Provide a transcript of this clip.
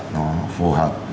nó phù hợp